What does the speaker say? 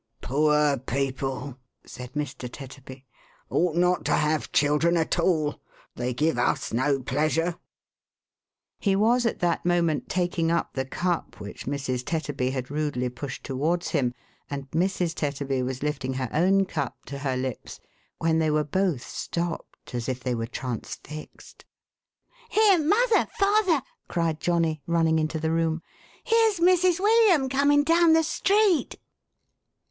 " Poor people," said Mr. Tetterby, " ought not to have children at all. They give 11,1 no pleasure." He was at that moment taking up the cup which Mrs. Tetterby had rudely pushed towards him, and Mrs. Tetterbv was lifting her own cup to her lips, when they were both stopped, as if they were transfixed. " Here ! Mother ! Father !" cried Johnny, running into the room. " Here's Mrs. William coming down the street